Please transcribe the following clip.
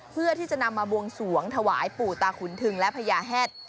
เพื่อที่จะนำมาบวงสวงถวายปู่ตาขุนทึงและพญาแฮด